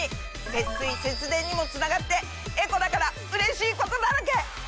節水節電にもつながってエコだからうれしいことだらけ！